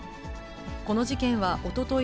この事件はおととい